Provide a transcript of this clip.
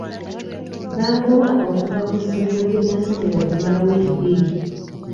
Bangoba okuva ku ssomero gye nasomero okumala wiiki bbiri.